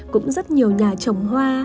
cũng rất nhiều nhà trồng hoa